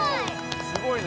すごいね。